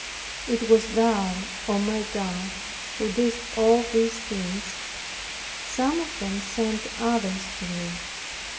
It was thou, O my God, who didst all these things; some of them sent others to me.